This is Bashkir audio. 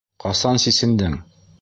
Ҡасан сисендең?